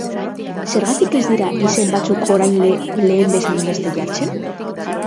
Zergatik ez dira izen batzuk orain lehen bezainbeste jartzen?